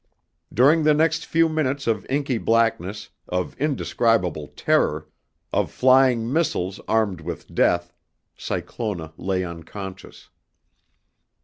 During the next few minutes of inky blackness, of indescribable terror, of flying missiles armed with death, Cyclona lay unconscious.